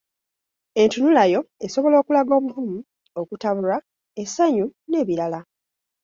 Entunulayo esobola okulaga obuvumu ,okutabulwa, essanyu n’ebirala.